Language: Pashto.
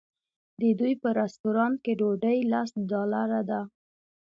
د دوی په رسټورانټ کې ډوډۍ لس ډالره ده.